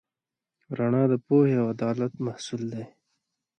رڼا د پوهې او عدالت محصول دی.